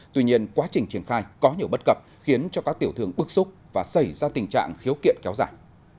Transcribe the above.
tuy nhiên quá trình triển khai có nhiều bất cập khiến cho các tiểu thương bức xúc và xảy ra tình trạng khiếu kiện kéo dài